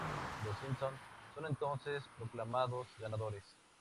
Los Simpson son entonces proclamados ganadores.